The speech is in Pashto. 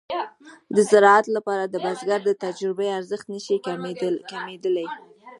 د زراعت لپاره د بزګر د تجربې ارزښت نشي کمېدلای.